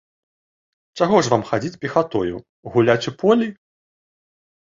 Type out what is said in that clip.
Чаго ж вам хадзіць пехатою, гуляць у полі?